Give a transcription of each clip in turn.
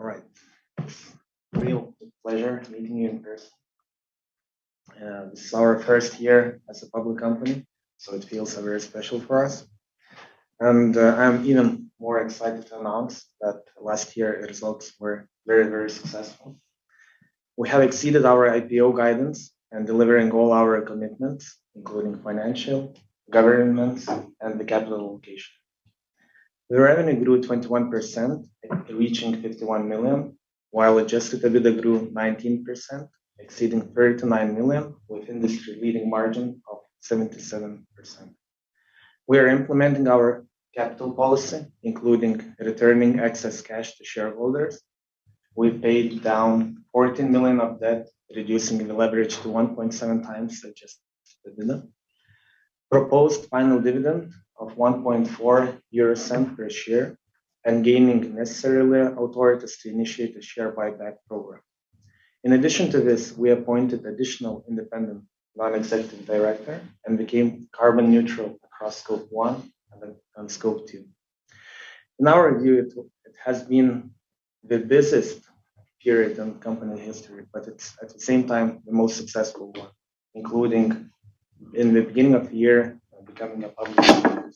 All right. Real pleasure meeting you in person. This is our first year as a public company, so it feels very special for us. I'm even more excited to announce that last year results were very, very successful. We have exceeded our IPO guidance and delivering all our commitments, including financial, governance, and the capital allocation. The revenue grew 21%, reaching 51 million, while adjusted EBITDA grew 19%, exceeding 39 million with industry-leading margin of 77%. We are implementing our capital policy, including returning excess cash to shareholders. We paid down 14 million of debt, reducing the leverage to 1.7x adjusted EBITDA. Proposed final dividend of 0.014 per share and gaining necessary authorities to initiate a share buyback program. In addition to this, we appointed additional independent non-executive director and became carbon neutral across Scope 1 and Scope 2. In our view, it has been the busiest period in company history, but it's at the same time the most successful one, including in the beginning of the year becoming a public company.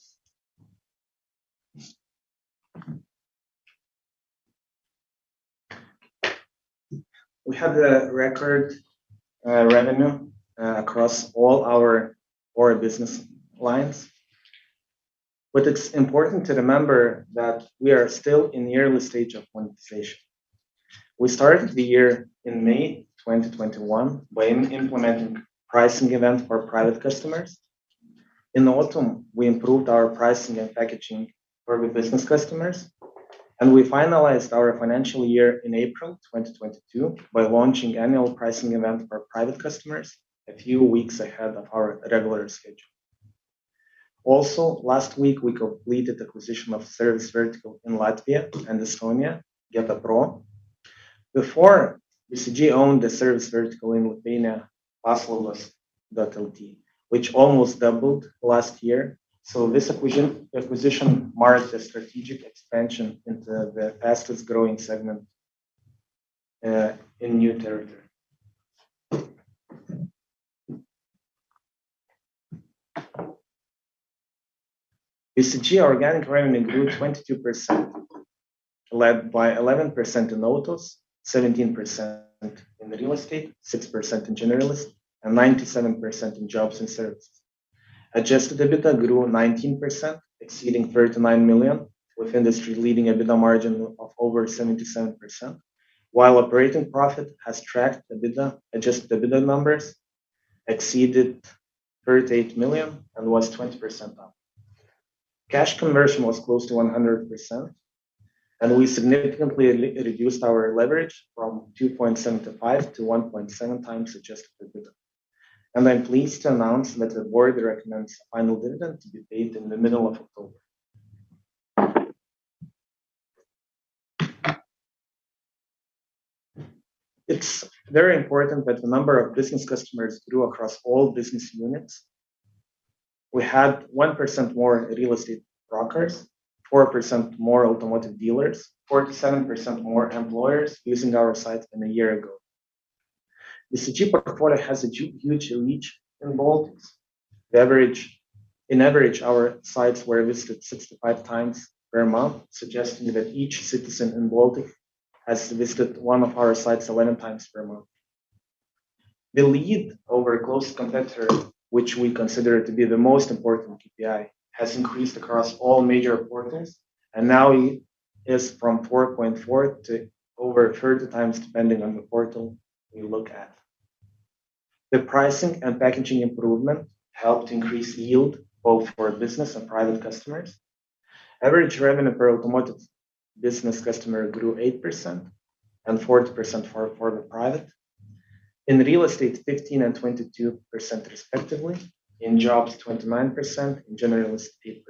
We had a record revenue across all our four business lines. It's important to remember that we are still in the early stage of monetization. We started the year in May 2021 by implementing pricing events for private customers. In the autumn, we improved our pricing and packaging for business customers, and we finalized our financial year in April 2022 by launching annual pricing event for private customers a few weeks ahead of our regular schedule. Last week we completed acquisition of services vertical in Latvia and Estonia, GetaPro. Before, the BCG owned the service vertical in Lithuania, Paslaugos.lt which almost doubled last year. This acquisition marks the strategic expansion into the fastest-growing segment in new territory. BCG organic revenue grew 22%, led by 11% in autos, 17% in real estate, 6% in generalist, and 97% in jobs and services. Adjusted EBITDA grew 19%, exceeding 39 million, with industry leading EBITDA margin of over 77%. While operating profit has tracked EBITDA, adjusted EBITDA numbers exceeded 38 million and was 20% up. Cash conversion was close to 100%, and we significantly re-reduced our leverage from 2.75 to 1.7 times adjusted EBITDA. I'm then pleased to announce that the board recommends the final dividend to be paid in the middle of October. It's very important that the number of business customers grew across all business units. We had 1% more real estate brokers, 4% more automotive dealers, 47% more employers using our sites than a year ago. The BCG portfolio has a huge reach in Baltics. On average, our sites were visited 65 times per month, suggesting that each citizen in Baltic has visited one of our sites 11 times per month. The lead over close competitor, which we consider to be the most important KPI, has increased across all major portals and now is from 4.4 to over 30 times, depending on the portal we look at. The pricing and packaging improvement helped increase yield both for business and private customers. Average revenue per automotive business customer grew 8% and 40% for the private. In real estate, 15% and 22% respectively. In jobs, 29%. In Generalist, 8%.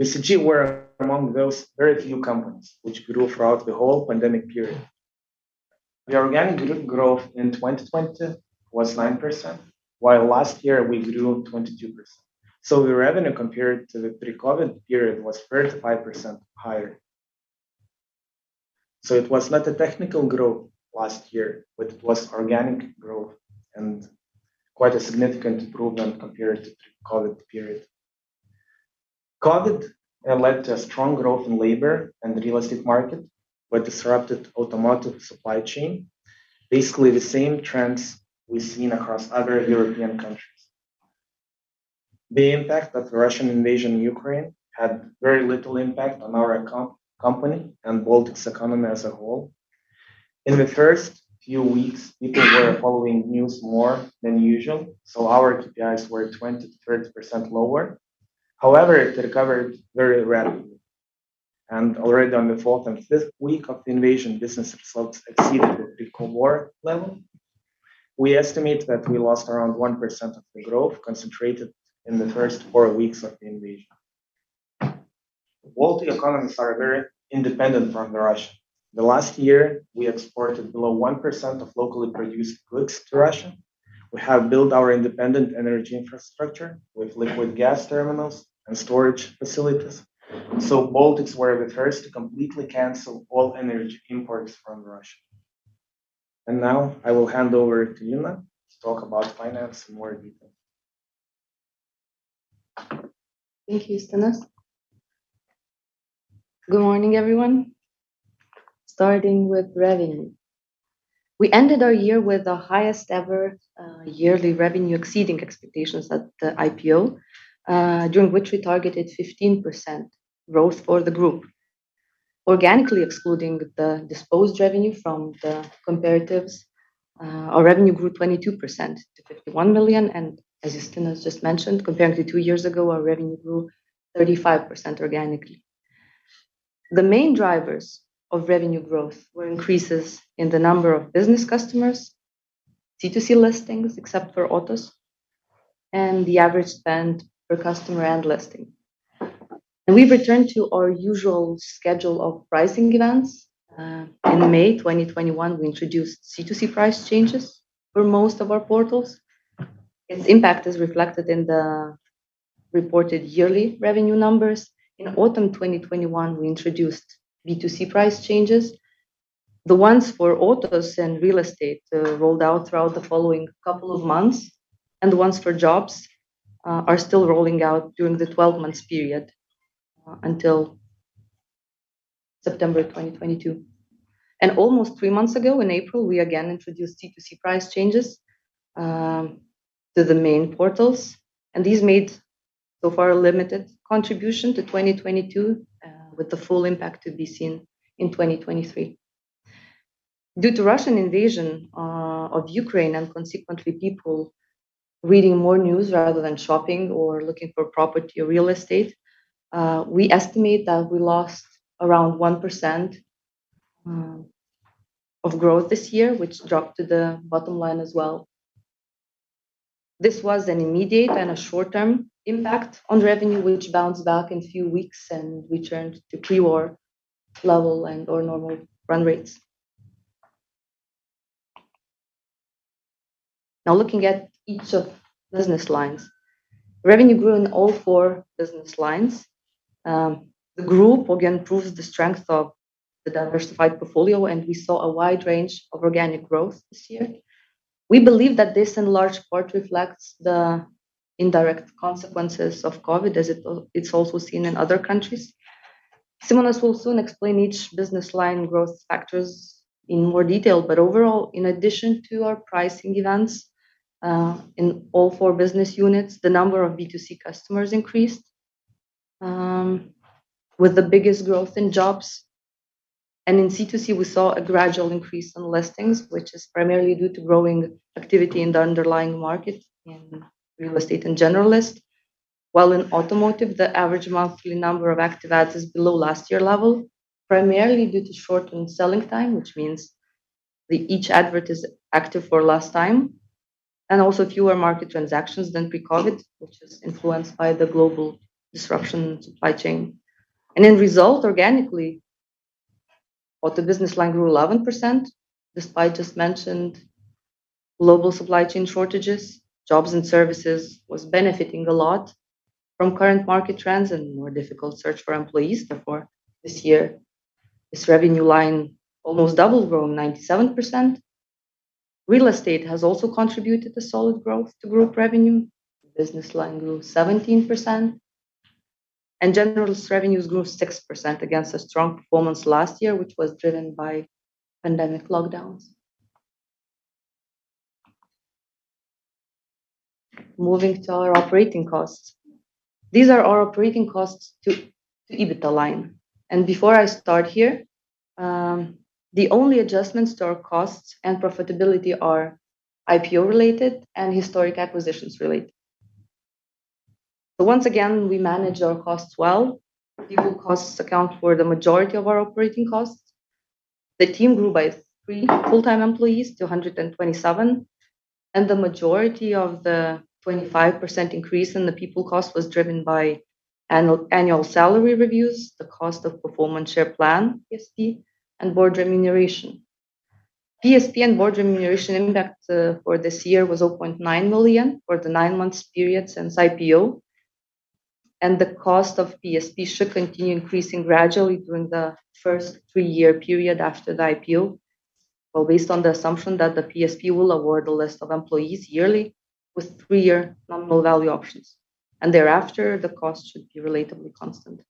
BCG were among those very few companies which grew throughout the whole pandemic period. The organic growth in 2020 was 9%, while last year we grew 22%. The revenue compared to the pre-COVID period was 35% higher. It was not a technical growth last year, but it was organic growth and quite a significant improvement compared to pre-COVID period. COVID led to a strong growth in labor and real estate market, but disrupted automotive supply chain. Basically, the same trends we've seen across other European countries. The impact of the Russian invasion in Ukraine had very little impact on our company and Baltics economy as a whole. In the first few weeks, people were following news more than usual, so our KPIs were 20%-30% lower. However, it recovered very rapidly, and already on the fourth and fifth week of the invasion, business results exceeded the pre-war level. We estimate that we lost around 1% of the growth concentrated in the first four weeks of the invasion. Baltic economies are very independent from Russia. Last year, we exported below 1% of locally produced goods to Russia. We have built our independent energy infrastructure with liquid gas terminals and storage facilities. Baltics were the first to completely cancel all energy imports from Russia. Now I will hand over to Lina to talk about finance in more detail. Thank you, Justinas. Good morning, everyone. Starting with revenue. We ended our year with the highest ever yearly revenue exceeding expectations at the IPO during which we targeted 15% growth for the group. Organically excluding the disposed revenue from the comparatives, our revenue grew 22% to 51 million, and as Justinas just mentioned, compared to two years ago, our revenue grew 35% organically. The main drivers of revenue growth were increases in the number of business customers, C2C listings, except for autos, and the average spend per customer and listing. We've returned to our usual schedule of pricing events. In May 2021, we introduced C2C price changes for most of our portals. It's impact is reflected in the reported yearly revenue numbers. In autumn 2021, we introduced B2C price changes. The ones for autos and real estate rolled out throughout the following couple of months, and the ones for jobs are still rolling out during the 12 months period until September 2022. Almost three months ago in April, we again introduced C2C price changes to the main portals. These made so far a limited contribution to 2022, with the full impact to be seen in 2023. Due to Russian invasion of Ukraine and consequently people reading more news rather than shopping or looking for property or real estate, we estimate that we lost around 1% of growth this year, which dropped to the bottom line as well. This was an immediate and a short-term impact on revenue, which bounced back in a few weeks, and we returned to pre-war level and our normal run rates. Now looking at each of business lines. Revenue grew in all four business lines. The group again proves the strength of the diversified portfolio, and we saw a wide range of organic growth this year. We believe that this in large part reflects the indirect consequences of COVID, it's also seen in other countries. Simonas will soon explain each business line growth factors in more detail. Overall, in addition to our pricing events, in all four business units, the number of B2C customers increased with the biggest growth in jobs. In C2C, we saw a gradual increase in listings, which is primarily due to growing activity in the underlying market in real estate and Generalist. While in automotive, the average monthly number of active ads is below last year level, primarily due to shortened selling time, which means that each advert is active for less time, and also fewer market transactions than pre-COVID, which is influenced by the global disruption in supply chain. As a result, organically, Auto business line grew 11%, despite just mentioned global supply chain shortages. Jobs & Services was benefiting a lot from current market trends and more difficult search for employees. Therefore, this year, this revenue line almost doubled, grown 97%. Real Estate has also contributed a solid growth to group revenue. Business line grew 17%. Generalist revenues grew 6% against a strong performance last year, which was driven by pandemic lockdowns. Moving to our operating costs. These are our operating costs to EBITDA line. Before I start here, the only adjustments to our costs and profitability are IPO related and historic acquisitions related. Once again, we manage our costs well. People costs account for the majority of our operating costs. The team grew by three full-time employees to 127, and the majority of the 25% increase in the people cost was driven by annual salary reviews, the cost of Performance Share Plan, PSP, and board remuneration. PSP and board remuneration impact for this year was 0.9 million for the 9-month period since IPO. The cost of PSP should continue increasing gradually during the first three-year period after the IPO. Based on the assumption that the PSP will award a list of employees yearly with three-year nominal value options, and thereafter, the cost should be relatively constant.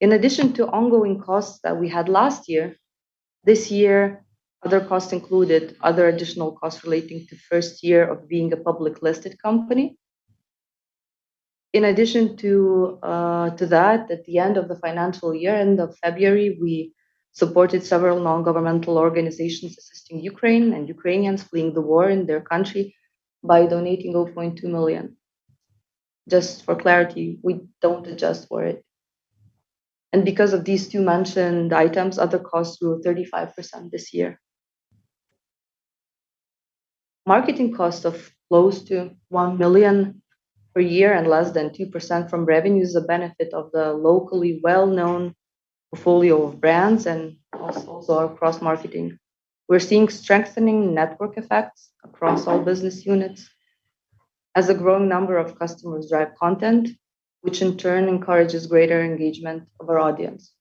In addition to ongoing costs that we had last year, this year, other costs included other additional costs relating to first year of being a public listed company. In addition to that, at the end of the financial year, end of February, we supported several non-governmental organizations assisting Ukraine and Ukrainians fleeing the war in their country by donating 0.2 million. Just for clarity, we don't adjust for it. Because of these two mentioned items, other costs grew 35% this year. Marketing cost of close to 1 million per year and less than 2% from revenue is a benefit of the locally well-known portfolio of brands and also our cross-marketing. We're seeing strengthening network effects across all business units as a growing number of customers drive content, which in turn encourages greater engagement of our audience.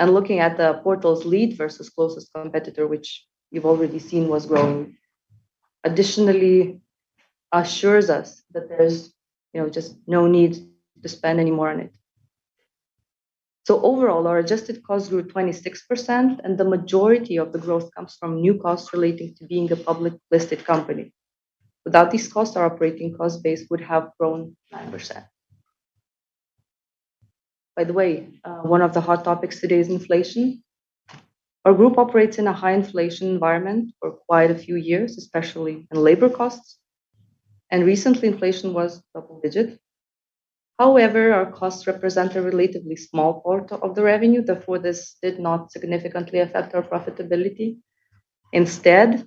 Looking at the portal's lead versus closest competitor, which you've already seen was growing, additionally assures us that there's, you know, just no need to spend any more on it. Overall, our adjusted costs grew 26%, and the majority of the growth comes from new costs relating to being a public listed company. Without these costs, our operating cost base would have grown 9%. By the way, one of the hot topics today is inflation. Our group operates in a high inflation environment for quite a few years, especially in labor costs, and recently inflation was double-digit. However, our costs represent a relatively small part of the revenue, therefore, this did not significantly affect our profitability. Instead,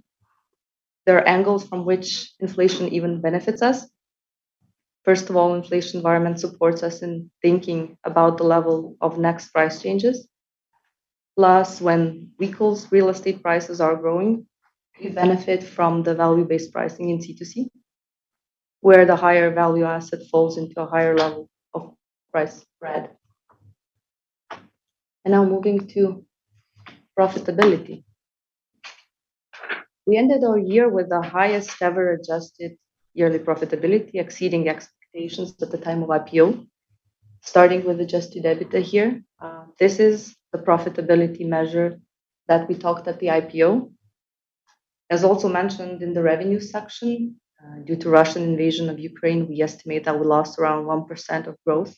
there are angles from which inflation even benefits us. First of all, inflation environment supports us in thinking about the level of next price changes. When [inaudible] real estate prices are growing, we benefit from the value-based pricing in C2C, where the higher value asset falls into a higher level of price spread. Now moving to profitability. We ended our year with the highest ever adjusted yearly profitability, exceeding expectations at the time of IPO. Starting with adjusted EBITDA here, this is the profitability measure that we talked at the IPO. As also mentioned in the revenue section, due to Russian invasion of Ukraine, we estimate that we lost around 1% of growth,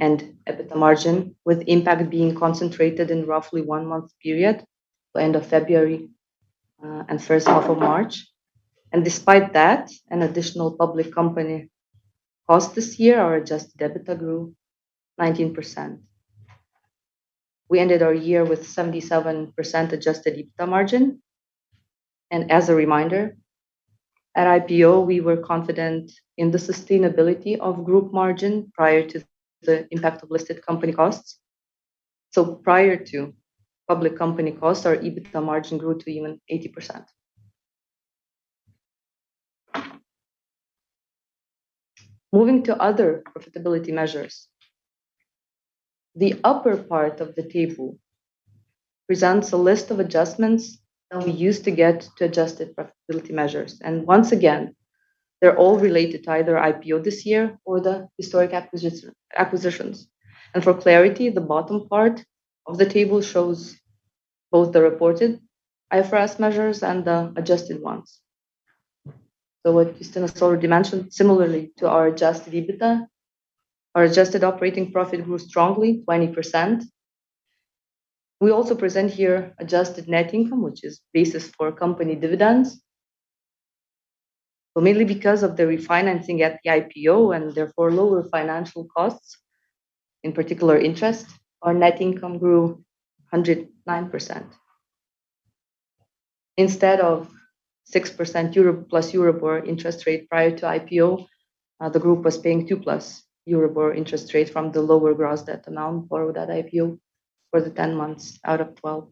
and EBITDA margin, with impact being concentrated in roughly one-month period, end of February, and first half of March. Despite that, an additional public company cost this year, our adjusted EBITDA grew 19%. We ended our year with 77% adjusted EBITDA margin. As a reminder, at IPO, we were confident in the sustainability of group margin prior to the impact of listed company costs. Prior to public company costs, our EBITDA margin grew to even 80%. Moving to other profitability measures. The upper part of the table presents a list of adjustments that we use to get to adjusted profitability measures. Once again, they're all related to either IPO this year or the historic acquisitions. For clarity, the bottom part of the table shows both the reported IFRS measures and the adjusted ones. What Justinas already mentioned, similarly to our adjusted EBITDA, our adjusted operating profit grew strongly, 20%. We also present here adjusted net income, which is basis for company dividends. Mainly because of the refinancing at the IPO and therefore lower financial costs, in particular interest, our net income grew 109%. Instead of 6% EUR + Euribor interest rate prior to IPO, the group was paying 2 + Euribor interest rate from the lower gross debt amount borrowed at IPO for the 10 months out of 12.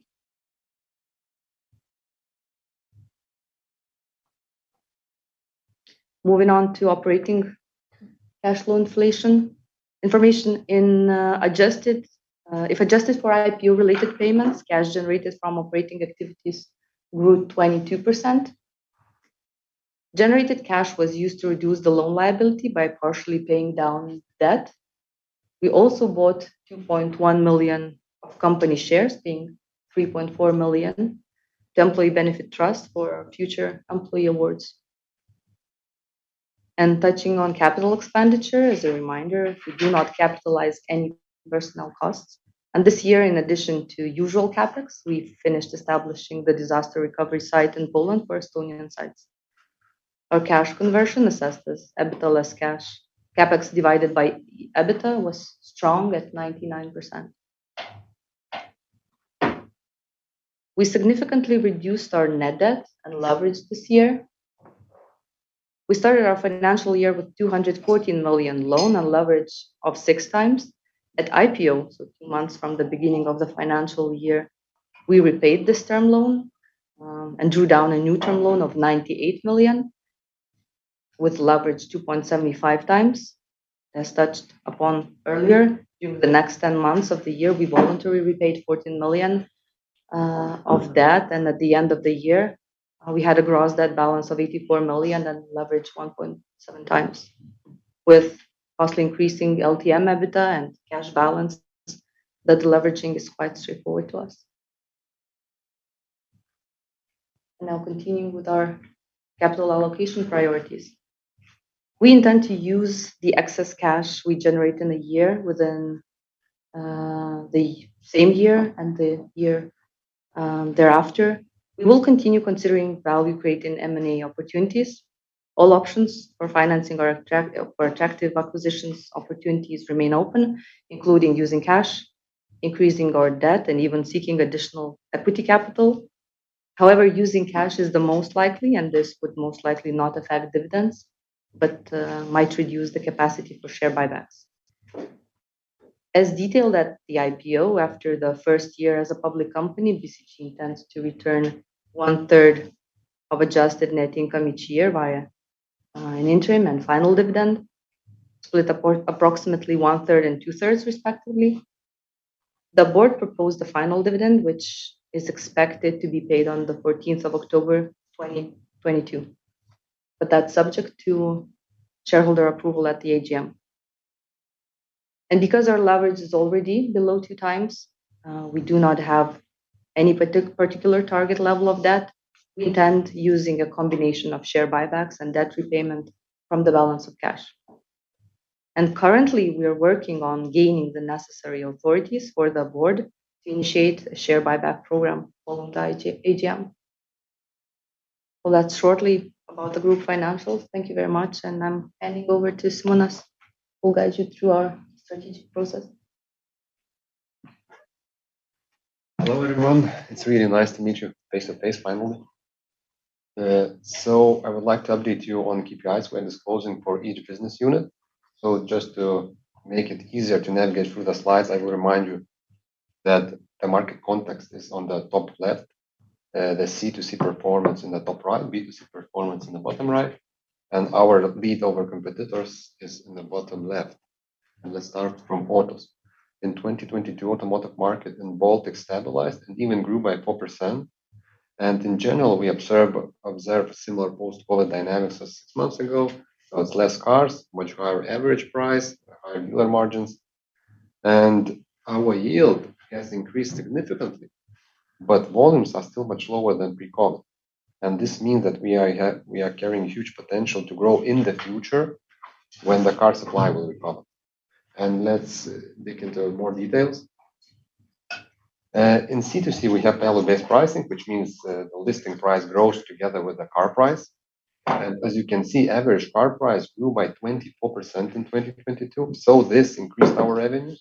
Moving on to operating cash flow information, if adjusted for IPO-related payments, cash generated from operating activities grew 22%. Generated cash was used to reduce the loan liability by partially paying down debt. We also bought 2.1 million of company shares, paying 3.4 million to employee benefit trust for our future employee awards. Touching on capital expenditure, as a reminder, we do not capitalize any personnel costs. This year, in addition to usual CapEx, we finished establishing the disaster recovery site in Poland for Estonian sites. Our cash conversion, EBITDA less cash CapEx divided by EBITDA, was strong at 99%. We significantly reduced our net debt and leverage this year. We started our financial year with 214 million loan and leverage of 6 times. At IPO, so 2 months from the beginning of the financial year, we repaid this term loan and drew down a new term loan of 98 million with leverage 2.75 times. As touched upon earlier, during the next 10 months of the year, we voluntarily repaid 14 million of debt, and at the end of the year, we had a gross debt balance of 84 million and leverage 1.7 times. With consistently increasing LTM EBITDA and cash balance, the deleveraging is quite straightforward to us. Now continuing with our capital allocation priorities. We intend to use the excess cash we generate in a year within the same year and the year thereafter. We will continue considering value-creating M&A opportunities. All options for financing or for attractive acquisitions opportunities remain open, including using cash, increasing our debt and even seeking additional equity capital. However, using cash is the most likely, and this would most likely not affect dividends, but might reduce the capacity for share buybacks. As detailed at the IPO, after the first year as a public company, BCG intends to return one-third of adjusted net income each year via an interim and final dividend, split approximately one-third and two-thirds respectively. The board proposed the final dividend, which is expected to be paid on the 14th of October 2022, but that's subject to shareholder approval at the AGM. Because our leverage is already below 2x, we do not have any particular target level of debt. We intend using a combination of share buybacks and debt repayment from the balance of cash. Currently, we are working on gaining the necessary authorities for the board to initiate a share buyback program following the AGM. Well, that's shortly about the group financials. Thank you very much, and I'm handing over to Simonas, who'll guide you through our strategic process. Hello, everyone. It's really nice to meet you face-to-face finally. I would like to update you on KPIs we're disclosing for each business unit. Just to make it easier to navigate through the slides, I will remind you that the market context is on the top left, the C2C performance in the top right, B2C performance in the bottom right, and our lead over competitors is in the bottom left. Let's start from autos. In 2022, automotive market in Baltic stabilized and even grew by 4%. In general, we observed similar post-COVID dynamics as six months ago. It's less cars, much higher average price, higher dealer margins. Our yield has increased significantly, but volumes are still much lower than pre-COVID. This means that we are carrying huge potential to grow in the future when the car supply will recover. Let's dig into more details. In C2C, we have value-based pricing, which means the listing price grows together with the car price. As you can see, average car price grew by 24% in 2022, so this increased our revenue.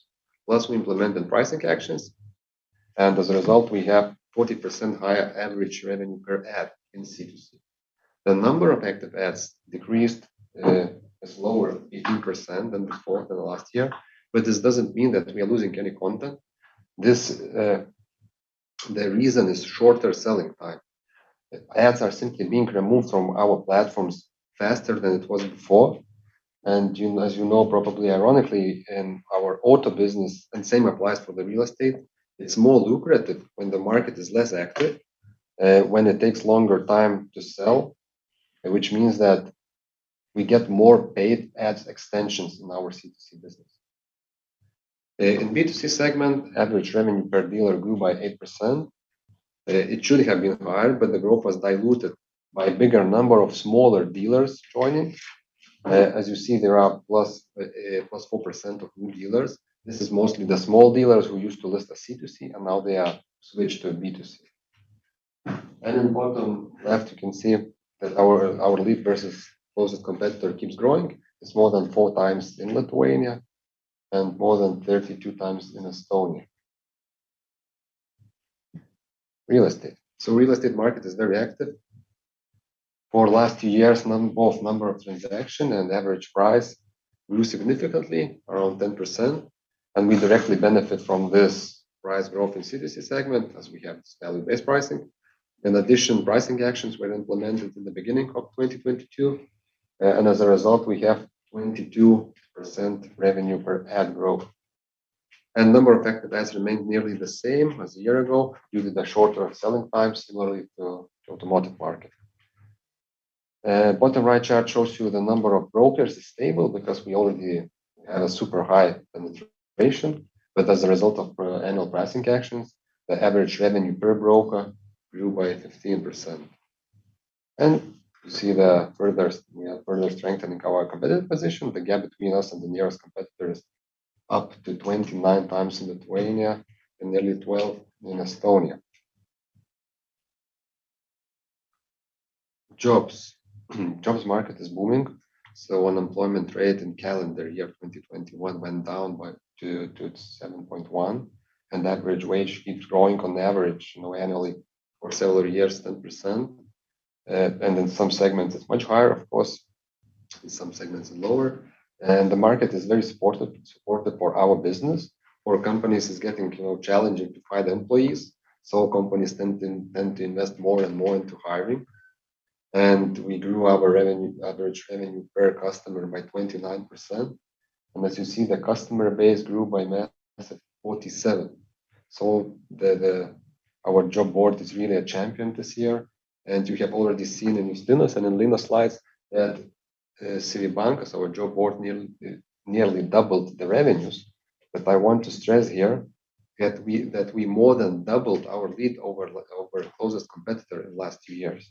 Plus, we implemented pricing actions, and as a result, we have 40% higher average revenue per ad in C2C. The number of active ads is lower 18% than the last year. This doesn't mean that we are losing any content. This, the reason is shorter selling time. Ads are simply being removed from our platforms faster than it was before. You know, as you know, probably ironically, in our auto business, and same applies for the real estate, it's more lucrative when the market is less active, when it takes longer time to sell, which means that we get more paid ads extensions in our C2C business. In B2C segment, average revenue per dealer grew by 8%. It should have been higher, but the growth was diluted by a bigger number of smaller dealers joining. As you see, there are +4% of new dealers. This is mostly the small dealers who used to list at C2C, and now they are switched to B2C. In the bottom left, you can see that our lead versus closest competitor keeps growing. It's more than four times in Lithuania and more than 32 times in Estonia. Real estate. Real estate market is very active. For last two years, both number of transaction and average price grew significantly, around 10%, and we directly benefit from this price growth in C2C segment as we have this value-based pricing. In addition, pricing actions were implemented in the beginning of 2022, and as a result, we have 22% revenue per ad growth. Number of active ads remained nearly the same as a year ago due to the shorter selling time, similarly to automotive market. Bottom right chart shows you the number of brokers is stable because we already have super high penetration. As a result of annual pricing actions, the average revenue per broker grew by 15%. You see we are further strengthening our competitive position. The gap between us and the nearest competitor is up to 29 times in Lithuania and nearly 12 in Estonia. Jobs market is booming, so unemployment rate in calendar year 2021 went down by 2 to 7.1, and average wage keeps growing on average, you know, annually for several years, 10%. In some segments, it's much higher, of course. In some segments, lower. The market is very supportive for our business. For companies, it's getting, you know, challenging to find employees, so companies tend to invest more and more into hiring. We grew our average revenue per customer by 29%. As you see, the customer base grew by 47%. Our job board is really a champion this year. You have already seen in Justinas and in Lina's slides that CVbankas, our job board nearly doubled the revenues. I want to stress here that we more than doubled our lead over closest competitor in last two years.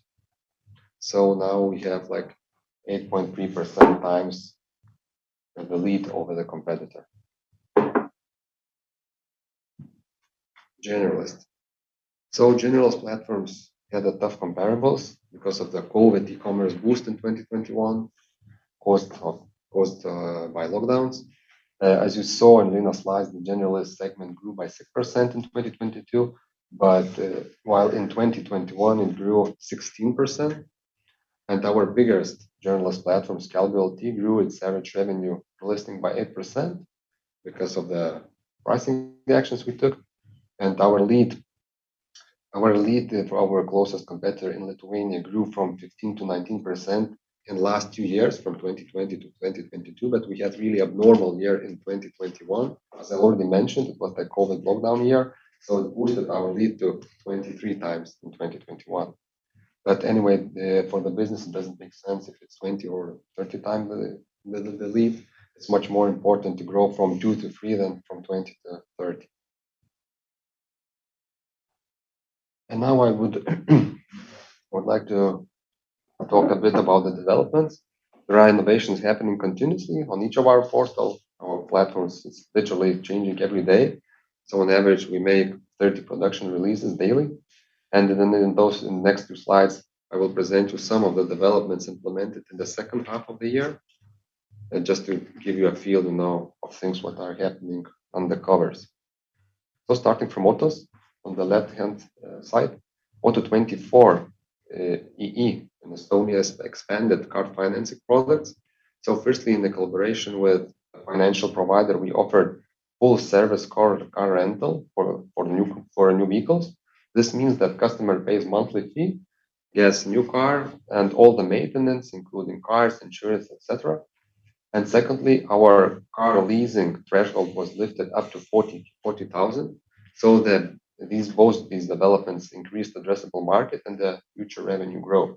Now we have, like, 8.3% times the lead over the competitor. Generalist. Generalist platforms had a tough comparables because of the COVID e-commerce boost in 2021 caused by lockdowns. As you saw in Lina's slides, the generalist segment grew by 6% in 2022, but while in 2021 it grew 16%. Our biggest generalist platforms, Skelbiu.lt, grew its average revenue per listing by 8% because of the pricing actions we took. Our lead for our closest competitor in Lithuania grew from 15% to 19% in the last two years, from 2020 to 2022. We had really abnormal year in 2021. As I already mentioned, it was the COVID lockdown year, so it boosted our lead to 23 times in 2021. Anyway, for the business it doesn't make sense if it's 20 or 30 times the lead. It's much more important to grow from two to three than from 20 to 30. Now I would like to talk a bit about the developments. There are innovations happening continuously on each of our portals. Our platforms is literally changing every day. So on average, we make 30 production releases daily. In those next two slides, I will present you some of the developments implemented in the H2 of the year. Just to give you a feel to know of things what are happening under covers. Starting from autos. On the left-hand side, Auto24.ee in Estonia expanded car financing products. Firstly, in the collaboration with a financial provider, we offered full service car rental for new vehicles. This means that customer pays monthly fee, gets new car and all the maintenance, including cars, insurance, et cetera. Secondly, our car leasing threshold was lifted up to 40,000, so that these developments increased addressable market and the future revenue growth.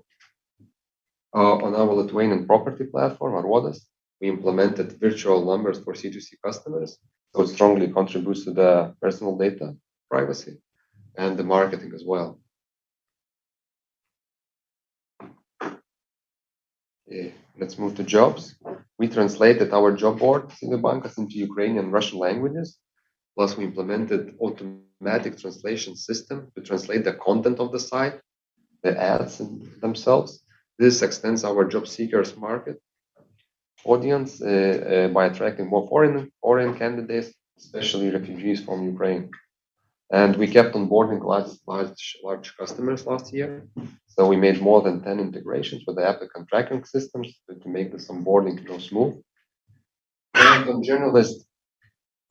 On our Lithuanian property platform, on Aruodas, we implemented virtual numbers for C2C customers, which strongly contributes to the personal data privacy and the marketing as well. Let's move to jobs. We translated CVbankas.lt into Ukrainian and Russian languages. We implemented automatic translation system to translate the content of the site, the ads themselves. This extends our job seekers market audience by attracting more foreign candidates, especially refugees from Ukraine. We kept onboarding large customers last year. We made more than 10 integrations with the applicant tracking systems to make this onboarding go smooth.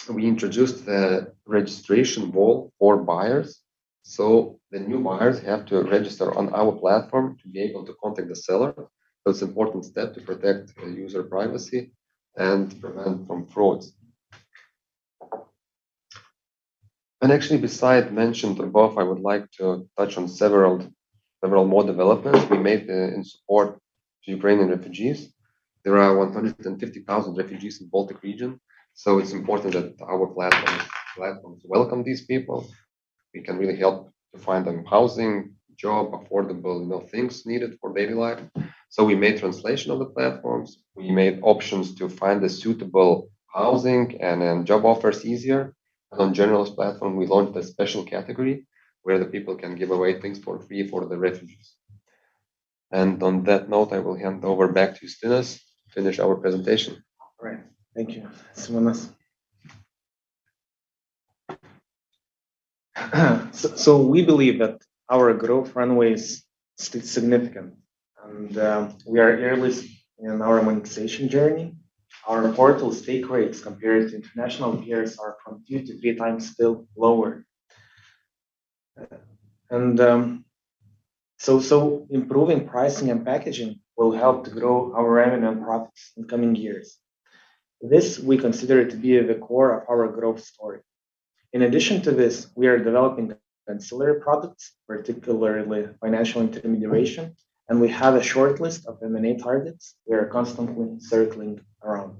On Generalist we introduced the registration wall for buyers. The new buyers have to register on our platform to be able to contact the seller. That's important step to protect the user privacy and prevent from frauds. Actually, besides mentioned above, I would like to touch on several more developments we made in support to Ukrainian refugees. There are 150,000 refugees in the Baltics, so it's important that our platform, platforms welcome these people. We can really help to find them housing, job, affordable, you know, things needed for daily life. We made translation of the platforms. We made options to find the suitable housing and then job offers easier. On Generalist platform, we launched a special category where the people can give away things for free for the refugees. On that note, I will hand over back to Justinas to finish our presentation. All right. Thank you, Simonas. We believe that our growth runway is significant and we are early in our monetization journey. Our portal take rates compared to international peers are two to three times still lower. Improving pricing and packaging will help to grow our revenue and profits in coming years. This we consider to be the core of our growth story. In addition to this, we are developing ancillary products, particularly financial intermediation, and we have a shortlist of M&A targets we are constantly circling around.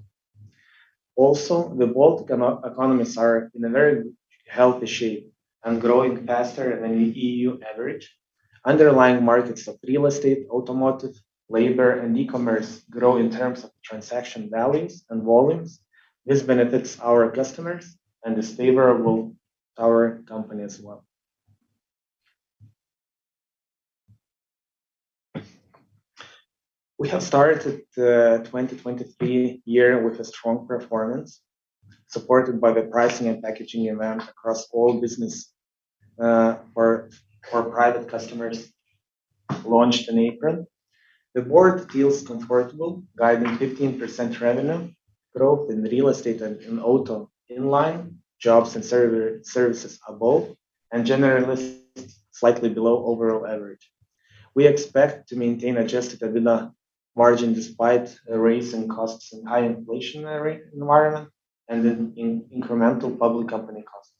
The Baltic economies are in a very healthy shape and growing faster than the EU average. Underlying markets of real estate, automotive, labor and e-commerce grow in terms of transaction values and volumes. This benefits our customers and this favors our company as well. We have started 2023 year with a strong performance, supported by the pricing and packaging amendment across all business for private customers launched in April. The board feels comfortable guiding 15% revenue growth in real estate and in auto in line jobs and services above and generalist slightly below overall average. We expect to maintain adjusted EBITDA margin despite a rise in costs and high inflationary environment and incremental public company costs.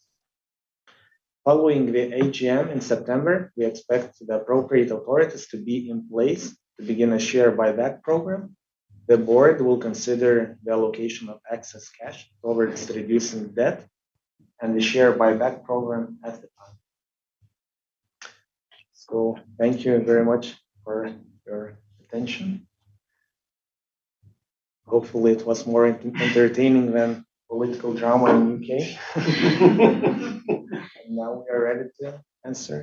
Following the AGM in September, we expect the appropriate authorities to be in place to begin a share buyback program. The board will consider the allocation of excess cash towards reducing debt and the share buyback program at the time. Thank you very much for your attention. Hopefully it was more entertaining than political drama in UK. Now we are ready to answer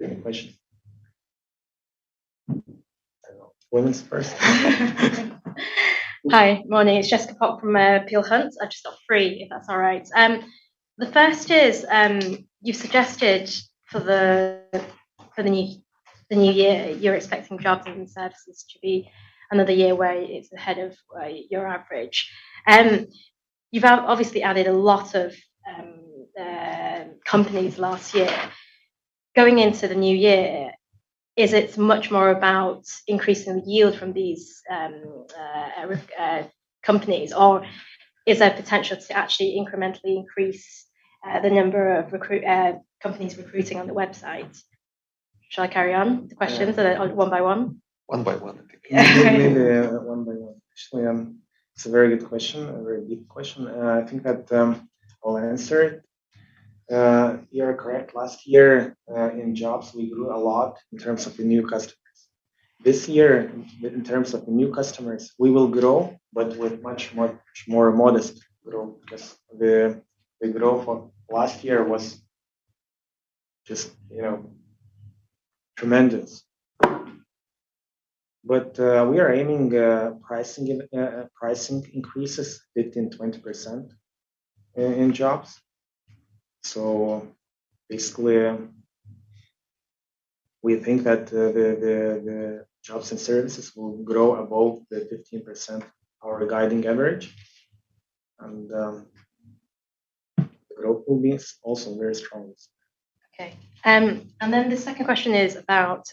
any questions. I don't know. Women's first. Hi. Morning. It's Jessica from Peel Hunt. I've just got three, if that's all right. The first is, you've suggested for the new year, you're expecting Jobs & Services to be another year where it's ahead of your average. You've obviously added a lot of companies last year. Going into the new year, is it much more about increasing the yield from these companies? Or is there potential to actually incrementally increase the number of companies recruiting on the website? Shall I carry on with the questions? Yeah. One by one? One by one I think. Okay. Maybe one by one. Actually, it's a very good question. A very big question, and I think that I'll answer it. You are correct. Last year, in Jobs we grew a lot in terms of the new customers. This year in terms of the new customers, we will grow, but with much more modest growth because the growth for last year was just, you know, tremendous. We are aiming pricing increases 15%-20% in Jobs. Basically, we think that the Jobs and Services will grow above the 15%, our guiding average. The growth will be also very strong this year. Okay. The second question is about,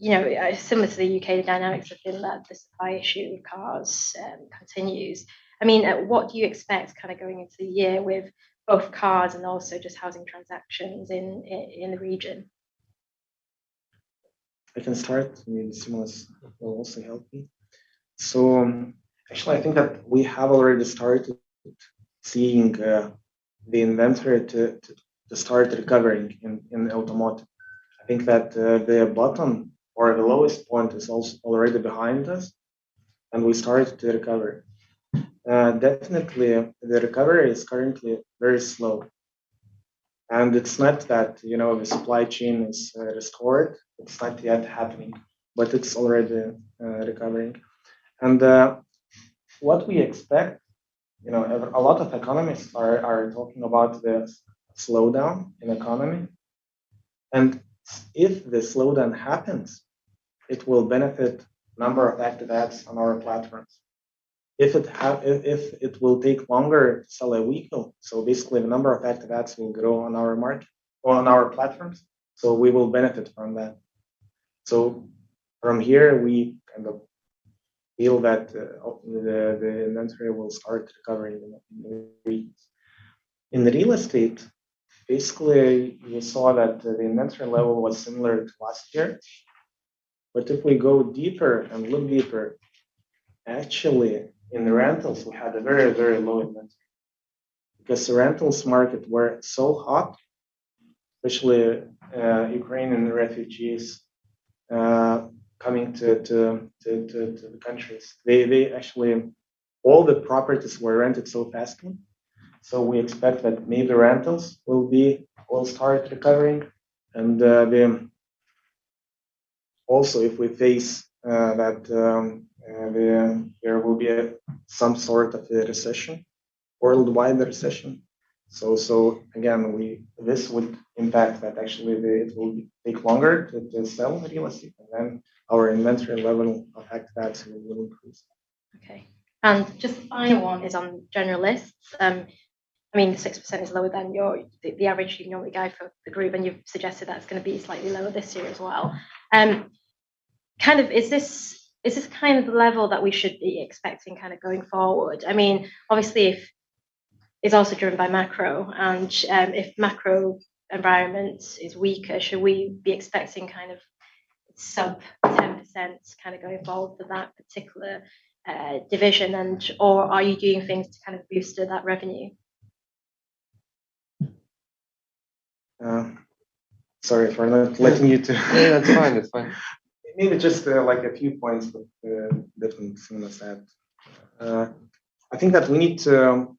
you know, similar to the UK dynamics have been that the supply issue with cars continues. I mean, what do you expect kind of going into the year with both cars and also just housing transactions in the region? I can start. Maybe Simonas will also help me. Actually I think that we have already started seeing the inventory to start recovering in the automotive. I think that the bottom or the lowest point is already behind us and we started to recover. Definitely the recovery is currently very slow. It's not that, you know, the supply chain is restored. It's not yet happening. It's already recovering. What we expect. You know, a lot of economists are talking about the slowdown in the economy. If the slowdown happens, it will benefit number of active ads on our platforms. If it will take longer to sell a vehicle. Basically the number of active ads will grow on our market or on our platforms. We will benefit from that. From here, we kind of feel that the inventory will start recovering in the real estate. Basically we saw that the inventory level was similar to last year. If we go deeper and look deeper, actually in the rentals we had a very low inventory because the rentals market were so hot, especially Ukrainian refugees coming to the countries. They actually all the properties were rented so fast. We expect that maybe rentals will start recovering. Also if we face that there will be some sort of a worldwide recession. Again, this would impact that actually the it will take longer to sell the real estate and then our inventory level and active ads will increase. Okay. Just the final one is on Generalist. I mean 6% is lower than the average you normally guide for the group, and you've suggested that it's gonna be slightly lower this year as well. Is this kind of the level that we should be expecting kind of going forward? I mean, obviously if it's also driven by macro and if macro environment is weaker, should we be expecting kind of sub-10% kind of going forward for that particular division, or are you doing things to kind of boost that revenue? Sorry for not letting you. Yeah, it's fine. It's fine. Maybe just like a few points that Simonas said. I think that we need to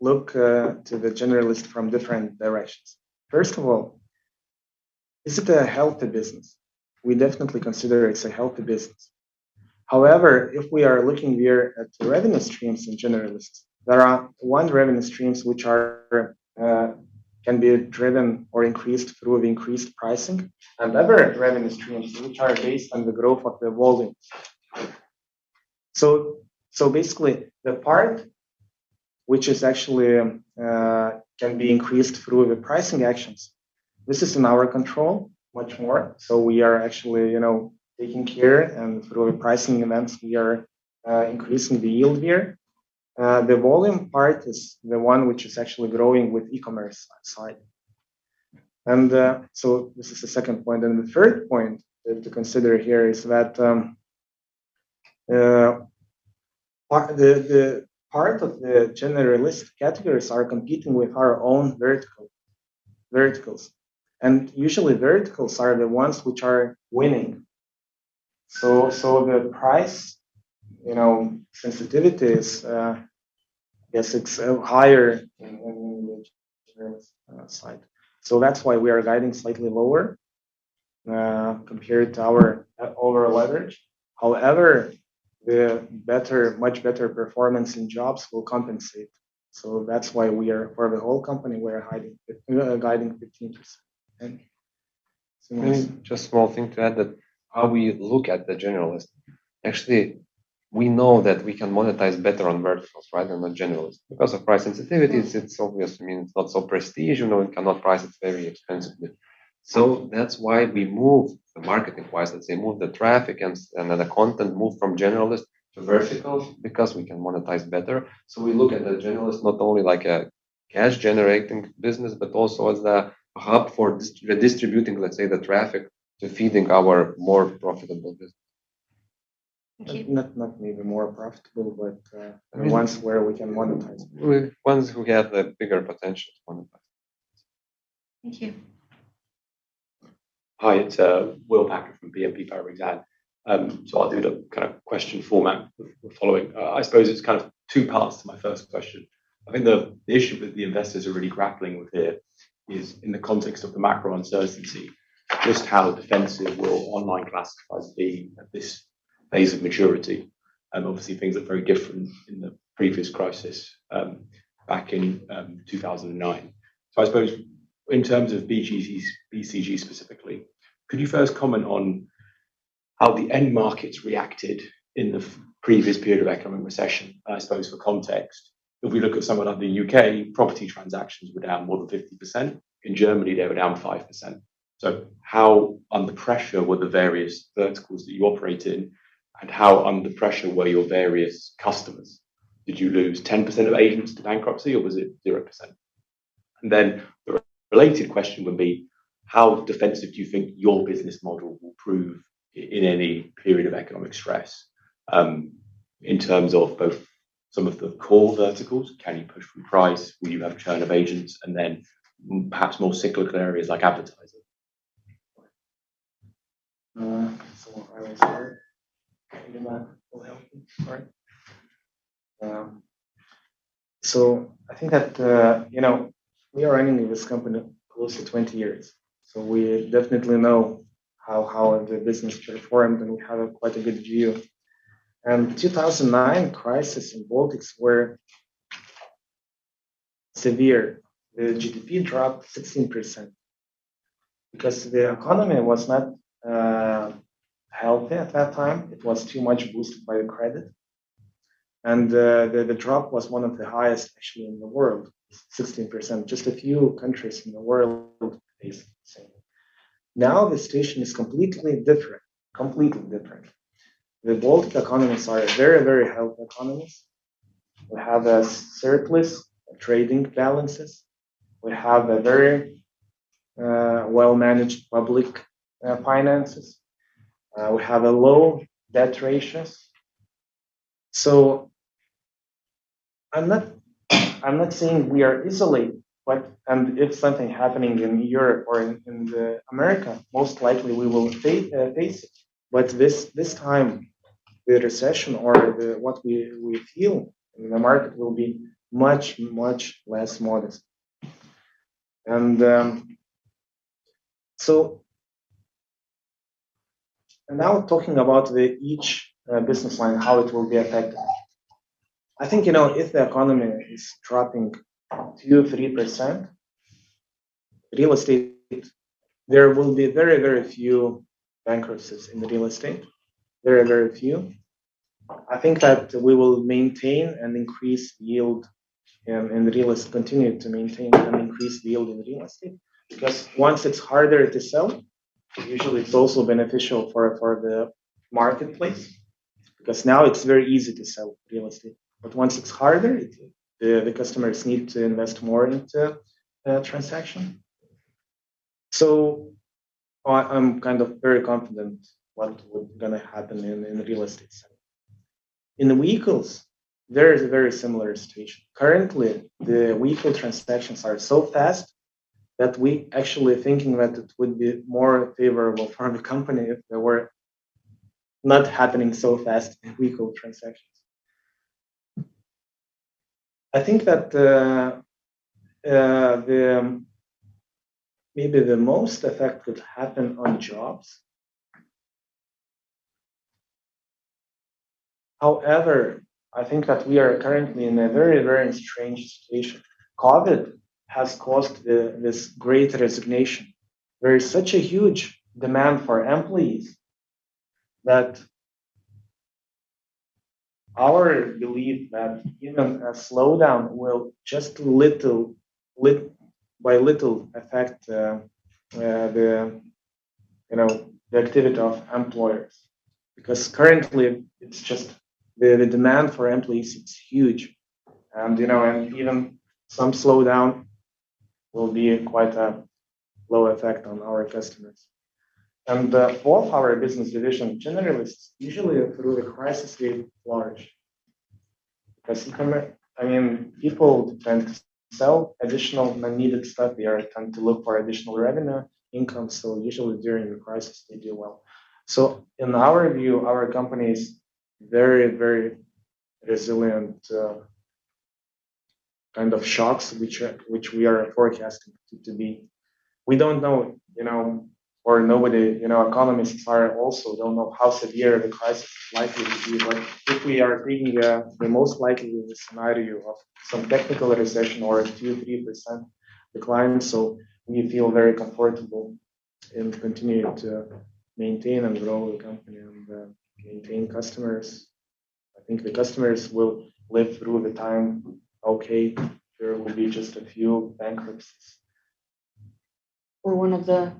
look to the Generalist from different directions. First of all, is it a healthy business? We definitely consider it's a healthy business. However, if we are looking here at the revenue streams in the Generalist, there are one revenue streams which can be driven or increased through increased pricing. Another revenue streams which are based on the growth of the volume. So basically the part which actually can be increased through the pricing actions. This is in our control much more so we are actually you know taking care and through the pricing events we are increasing the yield here. The volume part is the one which is actually growing with e-commerce side. So this is the second point. The third point to consider here is that the part of the generalist categories are competing with our own verticals. Usually verticals are the ones which are winning. The price, you know, sensitivity is yes, it's higher than in the generalist side. That's why we are guiding slightly lower compared to our overall revenue. However, the much better performance in jobs will compensate. That's why we are for the whole company, we are guiding mid-teens. Thank you. Just a small thing to add that how we look at the generalist. Actually, we know that we can monetize better on verticals, right, than on generalists. Because of price sensitivities, it's obvious. I mean, it's not so prestigious, you know, we cannot price it very expensively. That's why we moved the marketing-wise. Let's say, moved the traffic and then the content moved from generalist to verticals because we can monetize better. We look at the generalist not only like a cash-generating business, but also as a hub for redistributing, let's say, the traffic to feeding our more profitable business. Thank you. Not maybe more profitable, but ones where we can monetize. Ones who have the bigger potential to monetize. Thank you. Hi, it's Will Packer from BNP Paribas Exane. I'll do the kind of question format following. I suppose it's kind of two parts to my first question. I think the issue that the investors are really grappling with here is in the context of the macro uncertainty, just how defensive will online classifieds be at this phase of maturity? Obviously things are very different in the previous crisis back in 2009. I suppose in terms of BCG's, BCG specifically, could you first comment on how the end markets reacted in the previous period of economic recession? I suppose for context, if we look at somewhere like the U.K., property transactions were down more than 50%. In Germany, they were down 5%. How under pressure were the various verticals that you operate in? How under pressure were your various customers? Did you lose 10% of agents to bankruptcy or was it 0%? Then the related question would be, how defensive do you think your business model will prove in any period of economic stress, in terms of both some of the core verticals, can you push through price? Will you have churn of agents? Then perhaps more cyclical areas like advertising. I will start. I think that, you know, we are running this company close to 20 years, so we definitely know how the business performed, and we have quite a good view. 2009 crisis in Baltics were severe. The GDP dropped 16% because the economy was not healthy at that time. It was too much boosted by the credit. The drop was one of the highest actually in the world, 16%. Just a few countries in the world faced the same. Now the situation is completely different. Completely different. The Baltic economies are very healthy economies. We have a surplus trade balances. We have a very well-managed public finances. We have low debt ratios. I'm not saying we are isolated, but if something happening in Europe or in America, most likely we will face it. This time, the recession or what we feel in the market will be much less modest. Now talking about each business line, how it will be affected. I think, you know, if the economy is dropping 2%-3%, real estate, there will be very few bankruptcies in the real estate. Very few. I think that we will maintain and increase yield and the real estate continue to maintain and increase yield in the real estate. Because once it's harder to sell, usually it's also beneficial for the marketplace, because now it's very easy to sell real estate. Once it's harder, the customers need to invest more into the transaction. I am kind of very confident what will gonna happen in the real estate sector. In the vehicles, there is a very similar situation. Currently, the vehicle transactions are so fast that we actually thinking that it would be more favorable for the company if they were not happening so fast vehicle transactions. I think that maybe the most effect could happen on jobs. However, I think that we are currently in a very strange situation. COVID has caused this great resignation. There is such a huge demand for employees that our belief that even a slowdown will just by little affect the you know the activity of employers. Because currently it's just the demand for employees, it's huge. You know, even some slowdown will be quite a low effect on our customers. The fourth, our business division generally is usually through the crisis, they flourish. Because income, I mean, people tend to sell additional unneeded stuff. They tend to look for additional revenue, income. Usually during the crisis, they do well. In our view, our company is very, very resilient to kind of shocks which we are forecasting to be. We don't know, you know, or nobody, you know, economists are also don't know how severe the crisis is likely to be. If we are agreeing, the most likely scenario of some technical recession or a 2-3% decline. We feel very comfortable in continuing to maintain and grow the company and maintain customers. I think the customers will live through the time okay. There will be just a few bankruptcies. One of the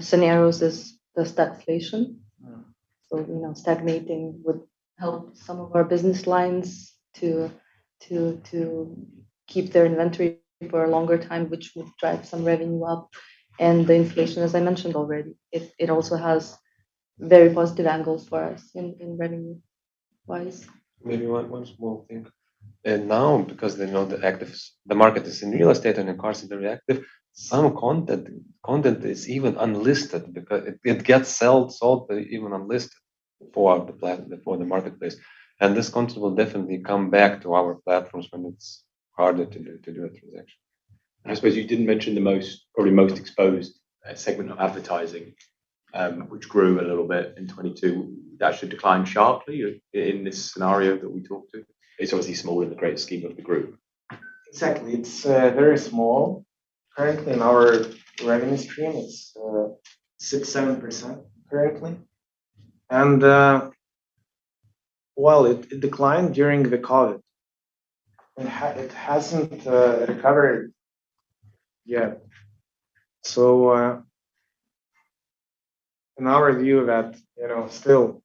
scenarios is the stagflation. Mm-hmm. You know, stagnating would help some of our business lines to keep their inventory for a longer time, which would drive some revenue up. The inflation, as I mentioned already, it also has very positive angles for us in revenue wise. Maybe one small thing. Now because they know the actives, the market is in real estate and in cars in the active, some content is even unlisted because it gets sold even unlisted for the marketplace. This content will definitely come back to our platforms when it's harder to do a transaction. I suppose you didn't mention the most, probably most exposed segment of advertising, which grew a little bit in 2022. That should decline sharply in this scenario that we talked through. It's obviously small in the grand scheme of the group. Exactly. It's very small. Currently in our revenue stream it's 6%-7% currently. Well, it declined during the COVID. It hasn't recovered yet. In our view that, you know, still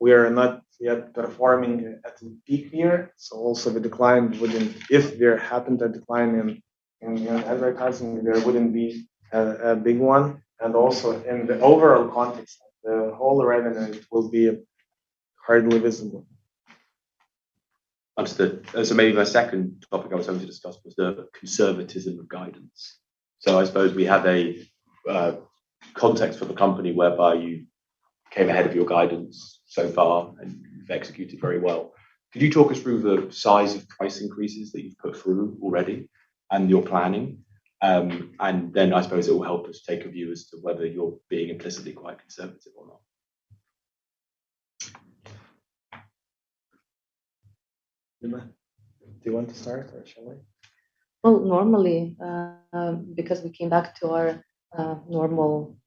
we are not yet performing at peak year. Also the decline wouldn't. If there happened a decline in, you know, advertising, there wouldn't be a big one. Also in the overall context, the whole revenue will be hardly visible. Understood. Maybe my second topic I was hoping to discuss was the conservatism of guidance. I suppose we have a context for the company whereby you came ahead of your guidance so far, and you've executed very well. Could you talk us through the size of price increases that you've put through already and your planning? I suppose it will help us take a view as to whether you're being implicitly quite conservative or not. Lina, do you want to start or shall I? Well, normally, because we came back to our normal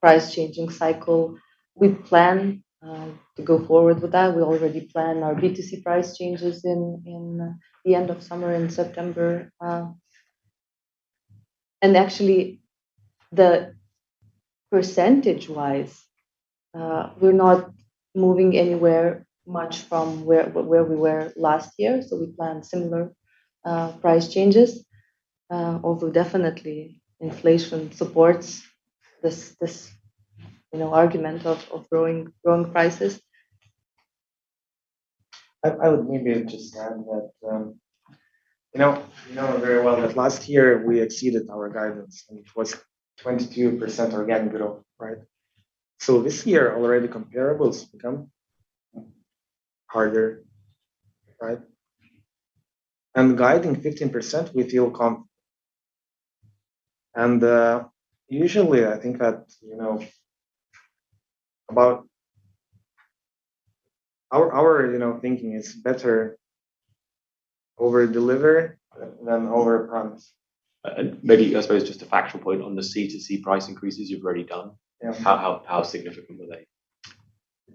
price changing cycle, we plan to go forward with that. We already plan our B2C price changes in the end of summer, in September. Actually the percentage wise, we're not moving anywhere much from where we were last year. We plan similar price changes. Although definitely inflation supports this, you know, argument of growing prices. I would maybe just add that, you know, we know very well that last year we exceeded our guidance and it was 22% organic growth, right? This year already comparables become harder, right? Usually I think that, you know, about our, you know, thinking it's better overdeliver than overpromise. Maybe I suppose just a factual point on the C2C price increases you've already done. Yeah. How significant were they?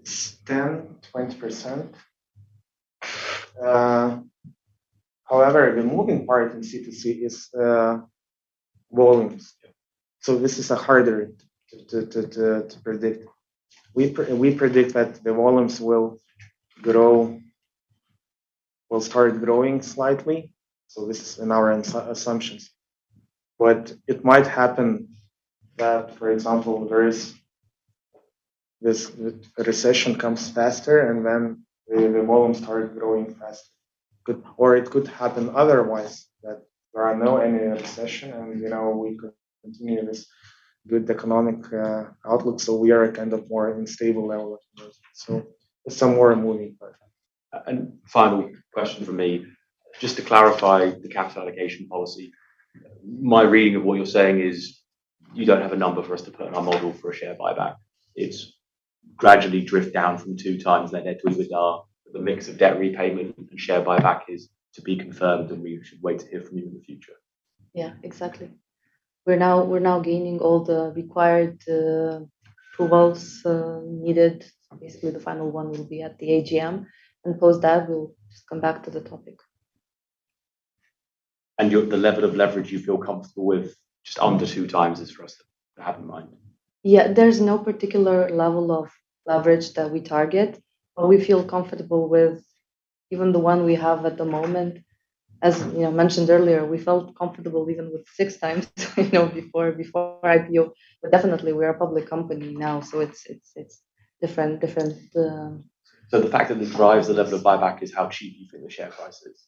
It's 10%-20%. However, the moving part in C2C is volumes. Yeah. This is harder to predict. We predict that the volumes will grow, will start growing slightly. This is in our assumptions. It might happen that, for example, there is this recession comes faster and then the volumes start growing faster. Or it could happen otherwise, that there are no any recession and, you know, we continue this good economic outlook. We are kind of more in stable level of business. It's somewhere in moving part. Final question from me, just to clarify the capital allocation policy. My reading of what you're saying is you don't have a number for us to put in our model for a share buyback. It's gradually drift down from 2x the net EBITDA. The mix of debt repayment and share buyback is to be confirmed and we should wait to hear from you in the future. Yeah, exactly. We're now gaining all the required approvals needed. Basically, the final one will be at the AGM. Post that we'll just come back to the topic. The level of leverage you feel comfortable with just under 2x is for us to have in mind? Yeah. There's no particular level of leverage that we target, but we feel comfortable with even the one we have at the moment, as, you know, mentioned earlier, we felt comfortable even with six times you know, before IPO. Definitely we are a public company now, so it's different. The fact that this drives the level of buyback is how cheap you think the share price is?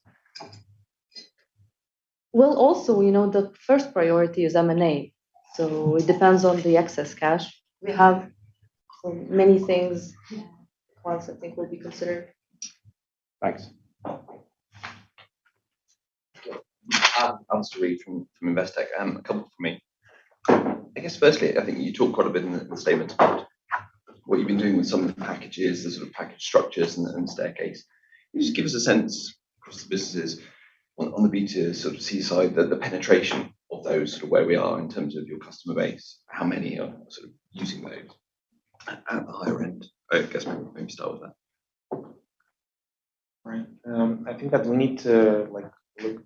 Well, also, you know, the first priority is M&A, so it depends on the excess cash. We have so many things, parts I think will be considered. Thanks. Alastair Reid from Investec. A couple from me. I guess firstly, I think you talked quite a bit in the statement about what you've been doing with some of the packages and sort of package structures and staircase. Can you just give us a sense across the businesses on the B2C side, the penetration of those sort of where we are in terms of your customer base? How many are sort of using those at the higher end? I guess maybe start with that. Right. I think that we need to like look